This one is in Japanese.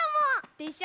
でしょ？